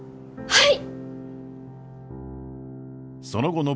はい。